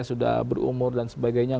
sudah berumur dan sebagainya